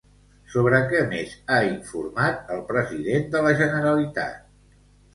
Sobre què més ha informat el president de la Generalitat?